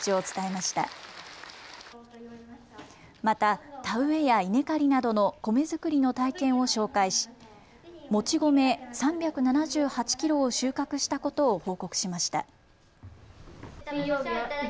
また、田植えや稲刈りなどの米作りの体験を紹介しもち米３７８キロを収穫したことを報告しました。